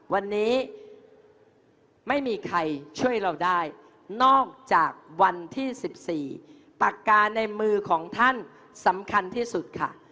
วันนี้ไม่มีใครช่วยเราได้นอกจากวันที่๑๔ปากกาในมือของท่านสำคัญที่สุดค่ะ